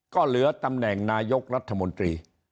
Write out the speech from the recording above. ก็เหลือตำแหน่งนายกรัฐมนตรี